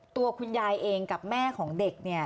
ตัวคุณยายเองกับแม่ของเด็กเนี่ย